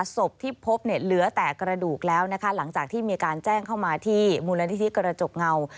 ศพที่พบเนี่ยเหลือแต่กระดูกแล้วนะคะหลังจากที่มีการแจ้งเข้ามาที่มูลนิธิกระจกเงา